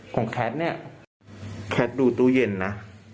แคทเนี่ยแคทดูตู้เย็นนะ